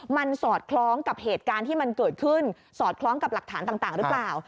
มันสอดคล้องกับเหตุการณ์ที่มันเกิดขึ้นสอดคล้องกับหลักฐานต่างหรือเปล่า